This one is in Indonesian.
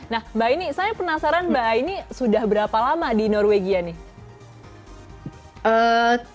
nah mbak aini saya penasaran mbak aini sudah berapa lama di norwegia nih